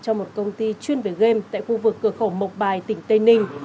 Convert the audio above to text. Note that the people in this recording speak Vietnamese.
cho một công ty chuyên về game tại khu vực cửa khẩu mộc bài tỉnh tây ninh